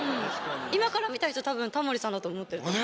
今から見た人多分タモリさんだと思ってると思う。